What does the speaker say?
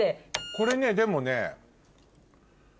これねでもね。